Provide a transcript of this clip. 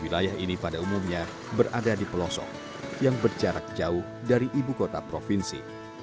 wilayah ini pada umumnya berada di pelosok yang berjarak jauh dari ibu kota provinsi